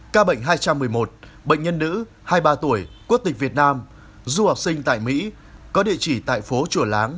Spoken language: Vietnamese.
ca bệnh hai trăm một mươi một bệnh nhân nữ hai mươi ba tuổi quốc tịch việt nam du học sinh tại mỹ có địa chỉ tại phố chùa láng